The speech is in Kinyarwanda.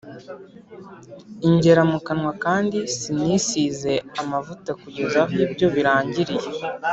Ingera mu kanwa kandi sinisize amavuta kugeza aho ibyo birangiriye